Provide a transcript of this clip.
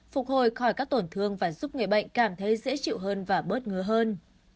phục hồi khỏi các tổn thương và giúp người bệnh cảm thấy dễ chịu hơn và bớt ngứa hơn